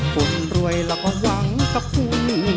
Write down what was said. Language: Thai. คนรวยแล้วก็หวังกับคุณ